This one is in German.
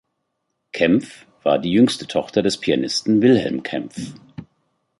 Kempff war die jüngste Tochter des Pianisten Wilhelm Kempff.